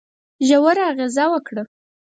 ژوره اغېزه وکړه.